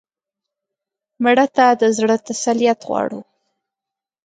مړه ته د زړه تسلیت غواړو